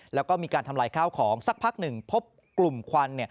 แล้วก็มีการทำลายข้าวของสักพักหนึ่งพบกลุ่มควัน